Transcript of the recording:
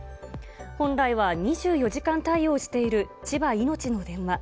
本来は２４時間対応している千葉いのちの電話。